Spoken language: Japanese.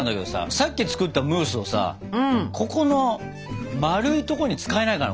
さっき作ったムースをさここの丸いとこに使えないかな？